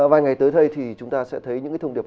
vài ngày tới đây thì chúng ta sẽ thấy những cái thông điệp